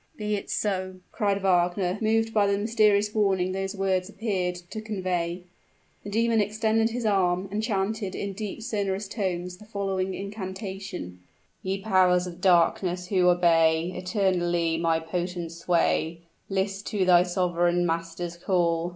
"Be it so!" cried Wagner, moved by the mysterious warning those words appeared to convey. The demon extended his arm, and chanted in deep, sonorous tones, the following incantation: "Ye powers of darkness who obey Eternally my potent sway, List to thy sovereign master's call!